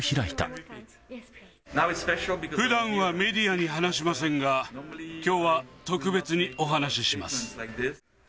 ふだんはメディアに話しませんが、きょうは特別にお話しします。